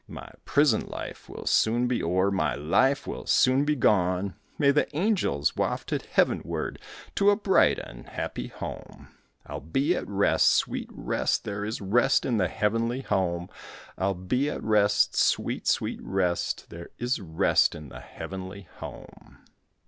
My prison life will soon be o'er, my life will soon be gone, May the angels waft it heavenward to a bright and happy home. I'll be at rest, sweet, sweet rest, there is rest in the heavenly home; I'll be at rest, sweet, sweet rest, there is rest in the heavenly home.